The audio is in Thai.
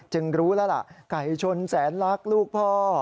จึงรู้ล่ะไก่ชนแสนลักลูกพ่อ